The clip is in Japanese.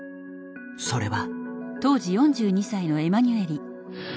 それは。